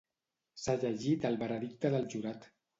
S’ha llegit el veredicte del jurat.